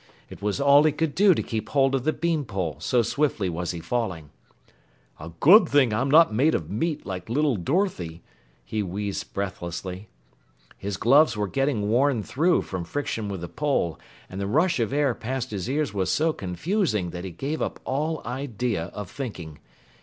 It was all he could do to keep hold of the bean pole, so swiftly was he falling. "A good thing I'm not made of meat like little Dorothy," he wheezed breathlessly. His gloves were getting worn through from friction with the pole, and the rush of air past his ears was so confusing that he gave up all idea of thinking.